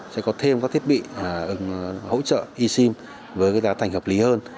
sẽ có thêm các thiết bị hỗ trợ e sim với giá thành hợp lý hơn